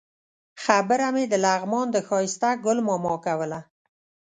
خبره مې د لغمان د ښایسته ګل ماما کوله.